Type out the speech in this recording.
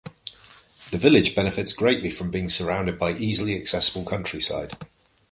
The village benefits greatly from being surrounded by easily accessible countryside.